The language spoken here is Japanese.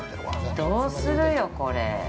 ◆どうするよ、これ。